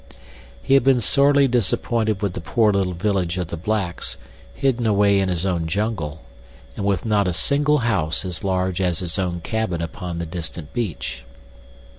He had been sorely disappointed with the poor little village of the blacks, hidden away in his own jungle, and with not a single house as large as his own cabin upon the distant beach.